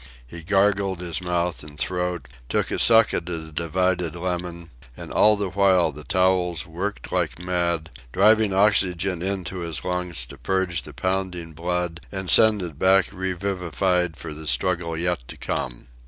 He gargled his mouth and throat, took a suck at a divided lemon, and all the while the towels worked like mad, driving oxygen into his lungs to purge the pounding blood and send it back revivified for the struggle yet to come.